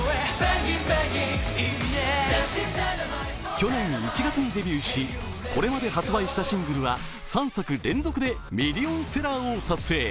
去年１月にデビューしこれまで発売したシングルは３作連続でミリオンセラーを達成。